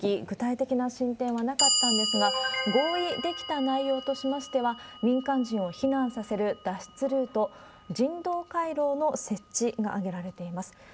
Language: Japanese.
具体的な進展はなかったんですが、合意できた内容としましては、民間人を避難させる脱出ルート、人道回廊の設置が挙げられています。